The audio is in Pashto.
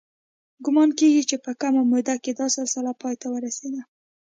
ګومان کېږي چې په کمه موده کې دا سلسله پای ته ورسېده